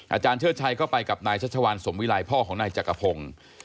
อาจารย์เชิดชัยก็ไปกับนายชัชวานสมวิลัยพ่อของนายจักรพงศ์